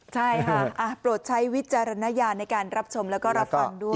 ใช่ค่ะโปรดใช้วิจารณญาณในการรับชมแล้วก็รับฟังด้วย